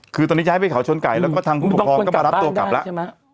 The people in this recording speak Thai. คือตอนนี้ย้ายไปเขาชนไก่แล้วก็ทางผู้ปกครองก็มารับตัวกลับแล้วใช่ไหม